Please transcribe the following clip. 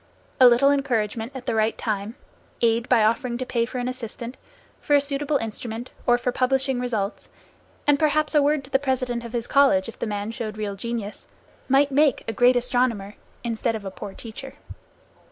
A little encouragement at the right time, aid by offering to pay for an assistant, for a suitable instrument, or for publishing results, and perhaps a word to the president of his college if the man showed real genius, might make a great astronomer, instead of a poor teacher.